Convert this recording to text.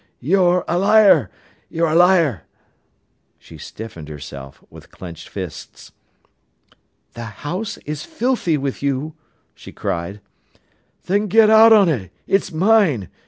"You're a liar, you're a liar." She stiffened herself, with clenched fists. "The house is filthy with you," she cried. "Then get out on it—it's mine.